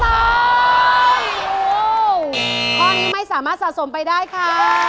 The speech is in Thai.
ท่อนไม่สามารถสะสมไปได้ค่ะ